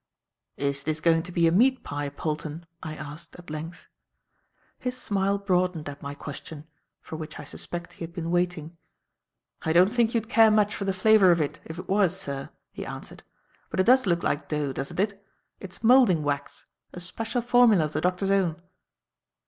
"Is this going to be a meat pie, Polton?" I asked, at length. His smile broadened at my question for which I suspect he had been waiting. "I don't think you'd care much for the flavour of it, if it was, sir," he answered. "But it does look like dough, doesn't it. It's moulding wax; a special formula of the Doctor's own."